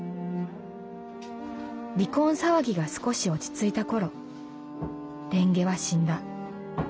離婚騒ぎが少し落ち着いた頃レンゲは死んだ。